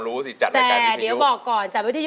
เพื่อจะไปชิงรางวัลเงินล้าน